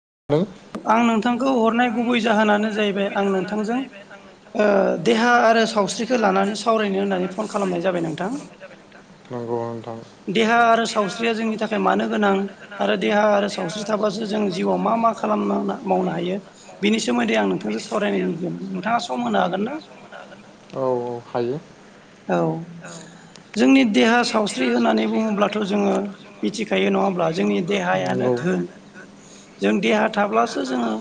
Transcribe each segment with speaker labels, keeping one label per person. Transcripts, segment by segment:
Speaker 1: [unintelligible]
Speaker 2: आं नोंथां नोंथखौ हरनाय गुबै जाहोनानो जाहैबाय आं नोंथांजों देहा आरो सावस्रिखौ ला नानै सावरायनो होननानै फन खालामनाय जाबाय नोंथां
Speaker 1: नंगौ नोंथां
Speaker 2: देहा आरो सावस्रिया जोंनि थाखाय मानो गोनां आरो देहा आरो सावस्रि थाबासो जों जिउआव मा मा खालाम खालाम मावनो हायो बेनि सोमोन्दै आं नोंथांजों सावरायनो नागिरदों नोंथाङा सम होनो हागोन ना
Speaker 1: औ औ हायो।
Speaker 2: औ जोंनि देहा सावस्रि होननानै बुङोब्लाथ' जोङो मिथिखायो नङा होमब्ला जोंनि देहायानो धोन जों देहा थाब्लासो जोङो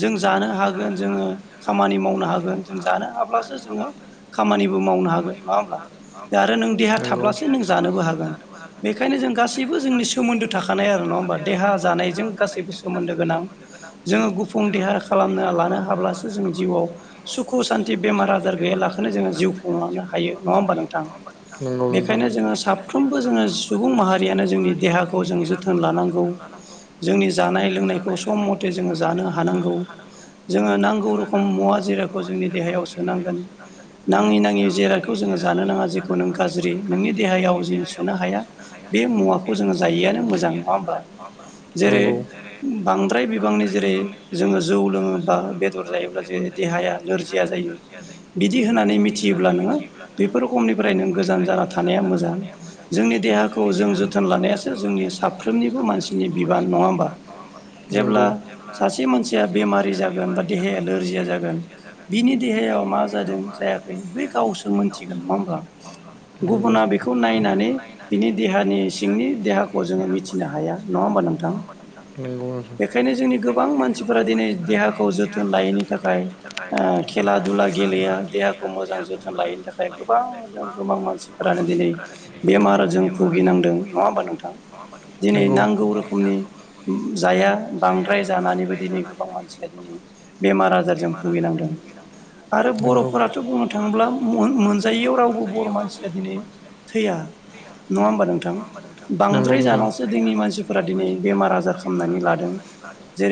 Speaker 2: जों जानो हागोन जोङो खामानि मावनो हागोन जों जानो हाब्लासो जोङो खामानिबो मावनो हागोन नङा होमब्ला आरो नों देहा थाब्लासो नों जानोबो हागोन बेखायनो जों गासैबो जोंनि सोमोन्दै थाखानाय आरो नंआ होमबा देहा जानायजों गासैबो सोमोन्दो गोनां जोङो देहार खालामना लानो हाब्लासो जों जिउआव सुखु सान्थि बेमार आजार गैयै लाखैनो जोङो जिउखौ खुंलांनो हा यो नङा हानबा नोंथां
Speaker 1: नंगौ नोंथां
Speaker 2: बेखायनो जोङो साफ्रोमबो जोङो सुबुं माहारियानो जोंनि देहाखौ जों जोथोन लानांगौ जोंनि जानाय लोंनायखौ सम मथे जोङो जानो हा नांगौ जोङो नांगौ रखोम मुवा जिराखौ जोंनि देहायाव सोनांगोन नाङि नाङि जिरादखौ जोङो जानो नाङा जेखौ नों गाज्रि नोंनि देहायाव जि सोनो हाया बे मुवाखौ जोङो जायिआनो मोजां नङा होमब्ला जेरै
Speaker 1: नंगौ
Speaker 2: बांद्राय बिबांनि जेरै जोङो जौ लोङोबा बेदर जायोब्ला जे देहाया नोरजिया जायो बिदि होननानै मिथियो ब्ला नोङो बेफोर [unintelligible] निफ्राय नों गोजान जाना थानाया मोजां जोंनि देहाखौ जों जोथोन लानायासो जोंनि साफ्रोमनिबो मानसिनि बिबान नङा होमा जेब्ला
Speaker 1: नंगौ
Speaker 2: सासे मानसिया बेमारि जागोन बा देहाया लोरजिया जागोन बिनि देहायाव मा जादों जायाखै बै गावसो मोनथिगोन नङा होमबा?
Speaker 1: नंगौ
Speaker 2: गुबुना बेखौ नायनानै बिनि देहानि सिंनि देहाखौ जोङो मिथिनो हाया नङा होमबा नोंथां
Speaker 1: नंगौ नोंथां
Speaker 2: बेखायनो जोंनि गोबां मानसिफोरा दिनै देहाखौ जोथोन लायैनि थाखाय ओ खेला दुला गेलेया देहाखौ मोजां जो थोन लायैनि थाखाय गोबां गोबां मानसिफोरानो दिनै बेमारजों भुगिनांदों नङा होमबा नोंथां दिनै
Speaker 1: नंगौ
Speaker 2: नांगौ रोखोमनि जाया बांद्राय जानानै बेबायदिनि गोबां मानसिया दिनै बेमार आजारजों भुगिनांदों आरो
Speaker 1: नंगौ।
Speaker 2: बर'फोराथ' बुं नो थाङोब्ला मो-मोनजायैयाव रावबो बर' मानसिया दिनै थैया नङा होमबा नोंथां?
Speaker 1: नंगौ
Speaker 2: बांद्राय
Speaker 1: नोंथां।
Speaker 2: जानायावसो दिनि मानसिफोरा दिनै बेमार आजार खालामनानै लादों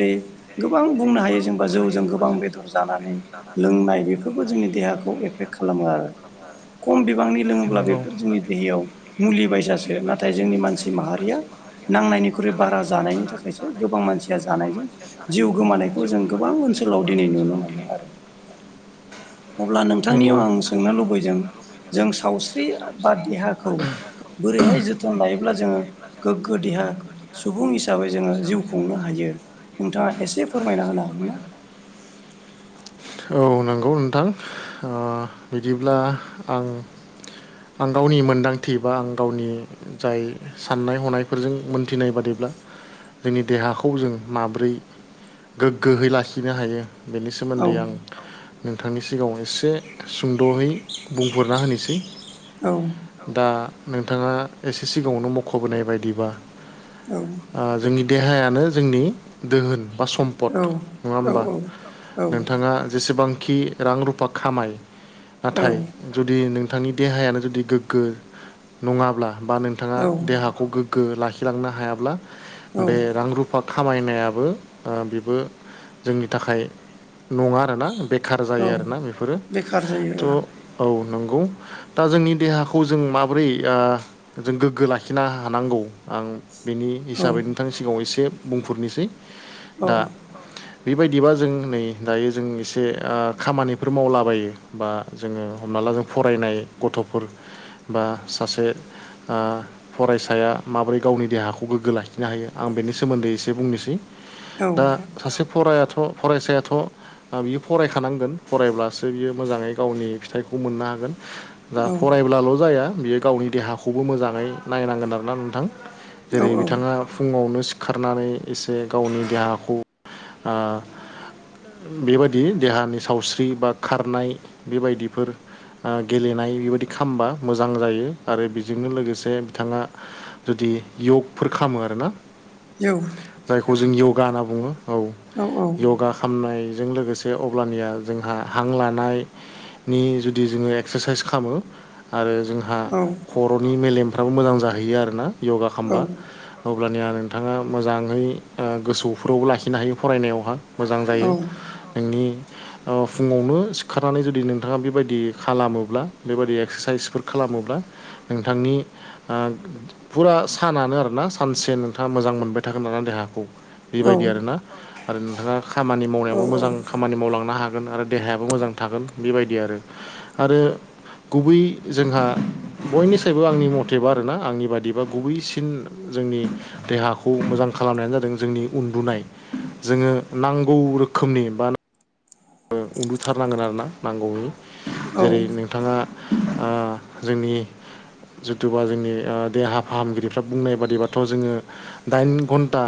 Speaker 1: खम
Speaker 2: गोबां बुंनो हायो जेनेबा जौजों गोबां बेदर जानानै लोंनाय बेफोरबो जोंनि देहाखौ एफेक्ट खालामो आरो खम बिबांनि लोङोब्ला बेफोर जोंनि देहायाव मुलि बायसासो नाथाय जोंनि मानसि माहारिया नांनायनिख्रुइ बारा जानायनि थाखायसो गोबां मानसिया जानायजों जिउ गोमानायखौ जों गोबां ओनसोलाव दिनै नुनो मोनदों आरो। अब्ला नोंथांनियाव आं सोंनो लुबैदों जों सावस्रि आ बा देहाखौ बोरैहाय जोथोन लायोब्ला जोङो गोग्गो देहा सुबुं हिसाबै जोङो जिउ खुंनो हायो। नोंथाङा एसे फोरमायना होनो हागोन ना?
Speaker 1: औ नंगौ नोंथां आ बिदिब्ला आं आं गावनि मोनदांथि बा आं गावनि जाय साननाय हनायफोरजों मोनथिनाय बादि ब्ला जोंनि देहाखौ जों माब्रै गोग्गोयै लाखिनो हायो बेनि सोमोन्दै आं नोंथांनि सिगांआव एसे सुंद'यै बुंफुरना होनोसै
Speaker 2: औ
Speaker 1: दा नोंथाङा एसे सिगां आवनो मख'बोनाय बायदिबा
Speaker 2: औ
Speaker 1: ओ जोंनि देहायानो जोंनि दोहोन बा सम्पद नङा
Speaker 2: औ
Speaker 1: होमबा
Speaker 2: औ
Speaker 1: नोंथाङा जेसेबां खि रां रुफा खामाय नाथाय जुदि नों थांनि देहायानो जुदि गोग्गो नङाब्ला बा नोंथाङा
Speaker 2: औ
Speaker 1: देहाखौ गोग्गो लाखि लांनो हायाब्ला
Speaker 2: औ
Speaker 1: बे
Speaker 2: औ
Speaker 1: रां रुफा खामाय नायाबो ओ बेबो जोंनि थाखाय नंङा आरोना बेखार
Speaker 2: औ
Speaker 1: जायो आरोना बेफोरो
Speaker 2: बेखार
Speaker 1: थ'
Speaker 2: जायो
Speaker 1: औ नंगौ दा जोंनि देहाखौ जों माबोरै ओ जों गोग्गो लाखिनो हानांगौ आं बेनि
Speaker 2: औ
Speaker 1: हिसाबै नोंथांनि सिगांङाव एसे बुंफोरनि
Speaker 2: औ
Speaker 1: बेबायदिबा जों नै दायो जों एसे आ खामानिफोर मावलाबायो बा जोङो हमना ला जों फरायनाय गथ'फोर बा सासे आ फरायसाया माबोरै गावनि देहाखौ गोग्गो लाखिनो हायो आं बेनि सोमोन्दै एसे बुंनोसै
Speaker 2: औ
Speaker 1: दा सासे फरायाथ' फरायसायाथ' आ बियो फरायखानांगोन फरायब्लासो बियो मोजांङै गावनि फिथाइखौ मोननो हागोन दा
Speaker 2: औ
Speaker 1: फरायब्लाल' जाया बियो गावनि देहाखौबो मोजांङै नायनांगोन आरोना नोंथां
Speaker 2: औ
Speaker 1: जेरै बिथांआ फुंआवनो सिखारनानै एसे गावनि देहाखौ आ बेबादि देहानि सावस्रि बा खारनाय बेबायदिफोर आ गेलेनाय बेबायदि खामबा मोजां जायो आरो बेजोंनो लोगोसे बिथांङा जुदि बे यगफोर खामो आरोना
Speaker 2: इउ
Speaker 1: जायखौ जों योगा होनना बुंङो औ योगा खालामनाय जों लोगोसे अब्लानिया जोंहा हां लानाय नि जुदि जोंङो एक्सारसाइस खालामो आरो जोंहा
Speaker 2: औ
Speaker 1: खर'नि मेलेमफ्राबो मोजां जाहैयो आरो ना योगा खालामबा अब्लानि आ नोंथांआ मोजांङै आ गोसोफ्रावबो लाखिनो हायो फरायनायावहा मोजां जायो नोंनि आ फुंआवनो सिखारनानै जुदि नोंथांआ बेबायदि खालामोब्ला बेबादि एक्सारसाइसफोर खालाम मोब्ला नोंथांनि आ फुरा सानानो आरोना सानसे नोंथाङा मोजां मोनबाय थागोन नोंना देहा बेबायदि आरोना आरो नोंथाङा खामानि मावनायावबो मोजां खामानि मावलांनो हागोन आरो देहायाबो मोजां थागोन बेबाय दि आरो आरो गुबै जोंहा बयनिस्रायबो आंनि मथेबा आरोना आंनि बादिबा गुबैसिन जोंनि देहाखौ मोजां खालामनायानो जा जों जोंनि उन्दुनाय जोंङो नांगौ रोखोमनि बा बा उन्दुथारनांगोन आरोना नांगौनि जेरै नोंथाङा आ जोंनि जुथुबा जोंनि ओ देहा फाहामगिरिफ्रा बुंनाय बादिबाथ' जोङो दाइन घन्टा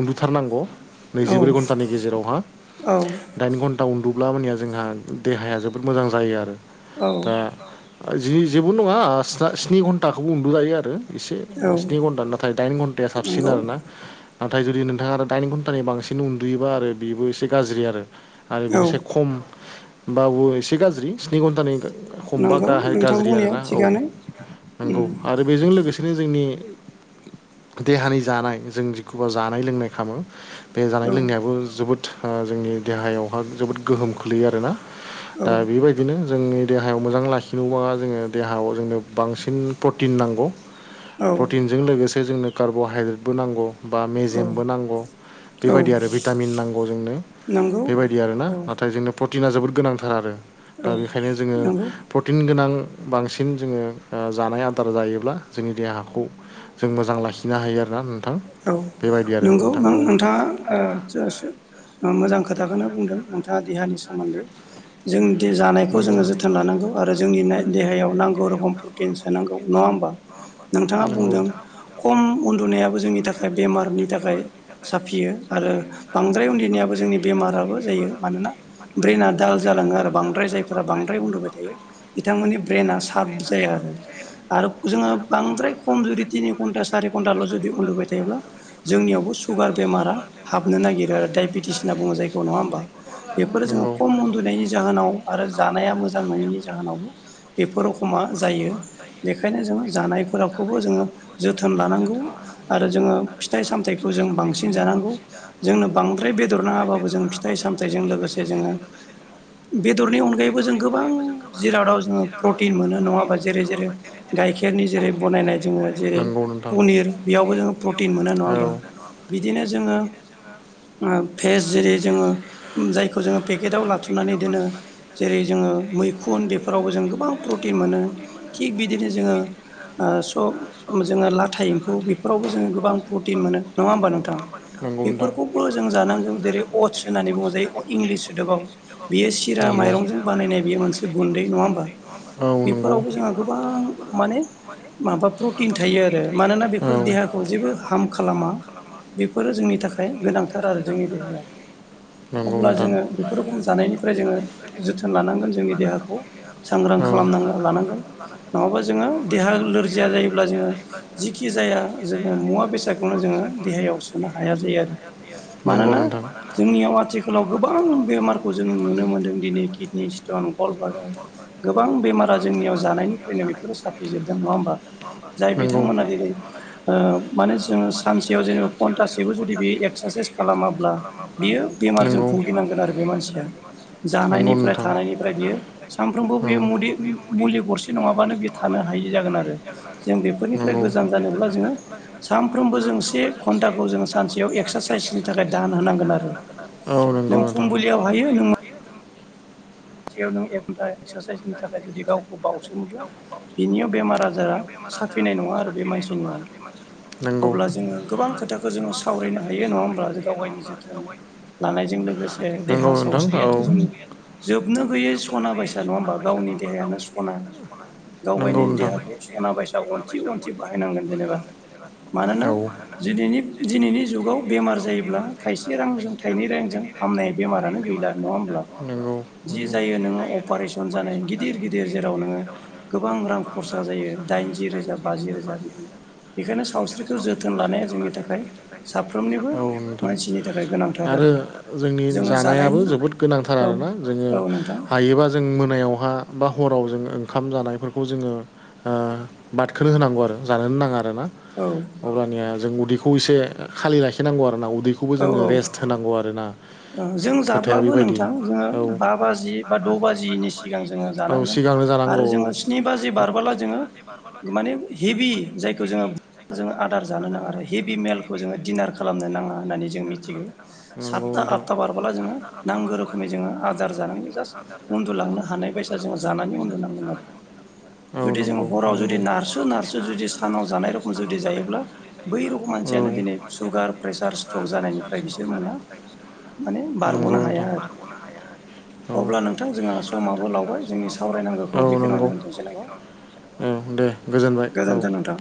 Speaker 1: उन्दुथारनांगौ नैजिब्रै घन्टानि गेजेरावहा
Speaker 2: औ
Speaker 1: दाइन घन्ट उन्दुब्ला मानिया जोंहा देहाया जोबोद मोजां जायो आरो
Speaker 2: औ
Speaker 1: दा जि जेबो नङा स्नि घन्टाखौबो उन्दुजायो आरो एसे
Speaker 2: औ
Speaker 1: स्नि घन्टा नाथाय दाइन घन्टाया साबसिन
Speaker 2: नंगौ
Speaker 1: आरोना नाथाय जुदि नोंथाङा आरो दाइनि घन्टानि बांसिन उन्दुयोबा आरो बेबो एसे गाज्रि आरो आरो
Speaker 2: औ
Speaker 1: बेनिसाय खमबाबो एसे गाज्रि स्नि घन्टानि हमबा
Speaker 2: नंगौ
Speaker 1: गाहाय
Speaker 2: नोंथां
Speaker 1: गाज्रि
Speaker 2: बुंनाया
Speaker 1: आरोना औ
Speaker 2: थिगानो
Speaker 1: नंगौ
Speaker 2: उम
Speaker 1: आरो बेजों लोगोसेनो जोंनि देहानि जानाय जों जिखबा जानाय लोंनाय खालामो बे जानाय
Speaker 2: औ
Speaker 1: लोंनायाबो जोबोद जोंनि देहायावहा जोबोद गोहोम खोोलैयो आरोना
Speaker 2: औ
Speaker 1: दा बेबायदिनो जोंनि देहायाव मोजां लाखिनोबा जोङो देहायाव जोंनो बांसिन प्रटिन नांगौ
Speaker 2: औ
Speaker 1: प्रटिनजों लोगोसे जोंनो कार्ब'हाइद्रेटबो नांगौ बा
Speaker 2: औ
Speaker 1: मेजेमबो नांगौ
Speaker 2: औ
Speaker 1: बेबायदि आरो भिटामिन नांगौ जोंनो
Speaker 2: नंगौ
Speaker 1: बेबायदि आरो ना
Speaker 2: औ
Speaker 1: नाथाय जोंनो प्रटिना जोबोद गोनांथार आरो दा
Speaker 2: औ
Speaker 1: बेखायनो जोङो
Speaker 2: नंगौ
Speaker 1: प्रटिन गोनां बांसिन जोङो जानाय ओ आदार जायोब्ला जोंनि देहाखौ जों मोजां लाखिनो हायो आरोना
Speaker 2: औ
Speaker 1: बेबायदि आरो
Speaker 2: नंगौ
Speaker 1: नोंथां औ ओ
Speaker 2: नोंथाङा मोजां खोथाखौनो बुंदों नोंथाङा देहानि सोमोन्दै जों जानायखौ जोङो जोथोन लानांगौ आरो जोंनि देहायाव नागौ रोखोम प्रोटिन सोनागौ नंङा होनबा नोंथाङा बुंदों खम उनदुनायाबो जोंनि थाखाय बेमार नि थाखाय साफियो आरो बांद्राय उन्दैनियाबो जोंनि बेमाराबो जायो मानोना ब्रेना दाल जालाङो आरो बांद्राय जायफोरा बांद्राय उन्दुबाय थायो बिथांमोननि ब्रेना सार्प जाया आरो आरो जोङो बांद्राय खम जुदि तिनि घन्टा सारि घन्टाल' जुदि उन्दुबाय थायोब्ला जोंनियावबो सुगार बेमारा हाबनो नागिरो आरो दडायबेटिस होनना बुङो जायखौ नङा होमबा बेफोर जो खम उन्दुनायनि जाहोनाव आरो जानाया मोजां नङिनि जाहोनावबो बेफोर रखमा जायो बेखायनो जोङो जानायफोराबखौबो जोङो जोथोन लानांगौ आरो जोङो फि थाइ सामथायखौ जों बांसिन जानांगौ जोंनो बांद्राय बेदर नाङाबाबो जों फिथाइ सामथायजों लोगोसे जोङो बेदरनि अनगायैबो जों गोबां जिरादाव जोङो प्रटिन मोनो नङाबा जेरै जेरै गाइखेर नि जेरै बनायनाय जोङो जेरै
Speaker 1: नोंथां
Speaker 2: पनिर बेयावबो जोङो प्रटिन मोनो नङा होमबा बिदिनो जोङो ओ भेेज जेरै जोङो जायखौ जोङो पेकेटआव लाथुमनानै दोनो जेरै जोङो मैखुन उन बेफोरावबो जों गोबां प्रटिन मोनो थिग बिदिनो जोङो ओ सब जोङो लाथाइ एम्फौ बेफोरावबो जोङो गोबां प्रटिन मोनो नङा होमबा नोंथां
Speaker 1: नोंथां
Speaker 2: बेफोरखौबो जों जानांगौ जेरै अथ्स होननानै बुङो जायो इंलिस सोदोबाव बेयो सि रा माइरंजों बानायनाय बेयो मोनसे गुन्दै नङा होमबा
Speaker 1: होमबा
Speaker 2: बेफोरावबो जोंहा गोबां माने माबा प्रटिन थायो आरो मानोना बेफोर
Speaker 1: औ
Speaker 2: देहाखौ जेबो हाम खालामा बेफोरो जोंनि थाखाय गोनांथार आरो जोंनि देहाया
Speaker 1: नंगौ
Speaker 2: अब्ला
Speaker 1: नोंथां
Speaker 2: जोङो बेफोर रोखोम जानायनिफ्राय जोङो जोथोन लानांगोन जोंनि देहाखौ सांग्रां
Speaker 1: औ
Speaker 2: खालामना लानांगोन नङाबा जोङो देहा लोरजिया जायोब्ला जोङो जिखि जाया या जोङो मुवा बेसाद देहायाव सोनो हाया जायो आरो
Speaker 1: नंगौ
Speaker 2: मानोना
Speaker 1: नोंथां
Speaker 2: जोंनियाव आथिखालाव गोबां बेमारखौ जों नुनो मोनदों दिनै किडनि स्टन गल्द बारदार गोबां बेमारा जोंनियाव जानायनिफ्रायनो बेफोरो साफिजोबदों नङा होमबा जाय
Speaker 1: नंगौ
Speaker 2: बिथांमोना दिनै ओ ओ माने जोङो सानसेयाव जेनेबा घन्टासेबो जुदि बे एक्सारसाइस खालामाब्ला बियो मारजों भुगिनांगोन आरो बे मानसिया
Speaker 1: भुगिनांगोन
Speaker 2: जानायनिफ्राय थानायनिफ्राय बियो सानफ्रोमबो बे मुदि-मुलि गरसे नङाबानो बे थानो हायि जागोन आरो जों बेफोरनिफ्राय गो गोजान जानोब्ला जोङो
Speaker 1: [unintelligible]
Speaker 2: सानफ्रोमबो जों से घन्टाखौ जों सानसेयाव एक्सारसाइसनि थाखाय दान होनांगोन आरो
Speaker 1: जानोब्ला जों औ नंगौ
Speaker 2: नों
Speaker 1: नोंथां
Speaker 2: फुंबिलियाव हायो नों खाथियाव नों एक घन्टा एक्सारसाइसनि थाखाय जुदि गावखौ बावसोमोब्ला बिनियाव बेमार आजारा साफिनाय नङा आरो बे मानसिनियाव
Speaker 1: नंगौ
Speaker 2: अब्ला जोङो गोबां खोथाखौ जोङो सावरायनो हायो न' गावनि जोथोन लानायजों लोगोसे देहा सावस्रियाथ' जों जोब जोबनो गैयै सना बायसा नङा होमबा गावनि देहायानो सना गाव गावनि देहाखौ सना बायसा अनथि अ अनथि बाहायनांगोन जेनेबा मानोना दिनैनि दिनैनि जुगाव बेमार जायोब्ला थाइसे रांजों थाइनै रांजों हामनाय बेमारानो गैला नङा होमब्ला जि
Speaker 1: होमबा
Speaker 2: जायो नोङो अपारेसन जानाय गिदिर गिदिर जेराव नोङो गोबां रां खरसा जायो दाय इनजि रोजा बाजि रोजा बिदि बेखायनो सावस्रिखौ जोथोन लानाया जोंनि थाखाय साफ्रोमनिबो
Speaker 1: औ नोंथां
Speaker 2: मानसिनि थाखाय गोनांथार
Speaker 1: आरो जोंनि
Speaker 2: जोङो
Speaker 1: जानायाबो
Speaker 2: जानायनि
Speaker 1: जोबोद गोनांथार
Speaker 2: औ
Speaker 1: आरोना जोङो
Speaker 2: औ नोंथां
Speaker 1: हायोबा जों मोनायावहा बा हराव जों ओंखाम जानायफोरखौ जोङो ओ बादखोनो होनांगौ आरो जानोनो नाङा
Speaker 2: औ
Speaker 1: अब्लानिया जों उदैखौ इसे खालि लाखिनांगौ आरो ना दैखौबो
Speaker 2: औ
Speaker 1: जोङो
Speaker 2: औ
Speaker 1: रेस्ट होनांगौ आरो ना
Speaker 2: जों जाब्लाबो नोंथां जोङो
Speaker 1: औ
Speaker 2: बा बाजि बा द' बाजिनि सिगां जोङो
Speaker 1: औ
Speaker 2: जानांगोन
Speaker 1: सिगांनो जानांगौ
Speaker 2: आरो
Speaker 1: औ खौ
Speaker 2: जोङो स्नि बाजि बारबोला जोङो माने हेभि जायखौ जोङो जोङो आदार जानो नाङा आरो हेभि मेलखौ जोङो दिनार खालामनो नाङा होननानै जों मिथिगौ।
Speaker 1: नंगौ।
Speaker 2: आथथा
Speaker 1: नोंथां
Speaker 2: आथथा बारबोला जोङो नांगौ रोखोमै जोङो आदार जानांगौ जास उन्दुलांनो हानाय बायसा जों जा जानानै उनदुनांगोन आरो।
Speaker 1: औ
Speaker 2: जुदि जों
Speaker 1: नंगौ
Speaker 2: हराव जुदि नारसो नारसो जुदि सानाव जानाय रोखम जुदि जायोब्ला बै रखम मानसियानो दिनै सुगार प्रेसार स्ट्रक जानायनिफ्राय बि
Speaker 1: नंगौ
Speaker 2: हाया
Speaker 1: नोंथां।
Speaker 2: आरो
Speaker 1: औ
Speaker 2: अब्ला नोंथां जोंहा समाबो लावबाय जोंनि सावरायनांगौखौ
Speaker 1: औ
Speaker 2: बेखिनियावनो
Speaker 1: नंगौ।
Speaker 2: दोनथ'नोसै नामा
Speaker 1: उम दे गोजोनबाय औ।
Speaker 2: गोजोन्थों नोंथां।